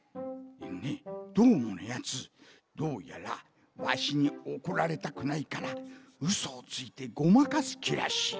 どーものやつどうやらわしにおこられたくないからウソをついてごまかすきらしい。